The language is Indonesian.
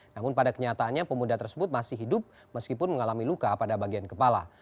namun pada kenyataannya pemuda tersebut masih hidup meskipun mengalami luka pada bagian kepala